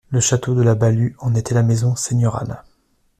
Le château de la Ballue en était la maison seigneuriale.